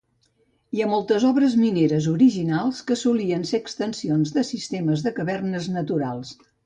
Hi ha moltes obres mineres originals que solien ser extensions de sistemes de cavernes naturals.